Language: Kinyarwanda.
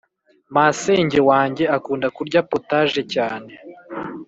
Masenge wanjye akunda kurya potage cyane